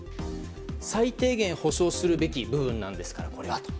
最低限保障するべき部分なんですから、これはと。